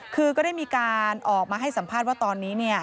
คือก็ได้มีการออกมาให้สัมภาษณ์ว่าตอนนี้เนี่ย